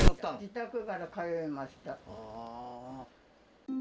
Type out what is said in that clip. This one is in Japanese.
自宅から通いました。